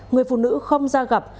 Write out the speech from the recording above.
người phụ nữ không ra gặp